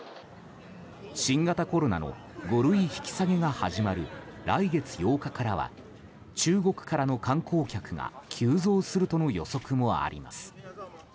新型コロナの５類引き下げが始まる来月８日からは中国からの観光客が急増するとの予測もあります。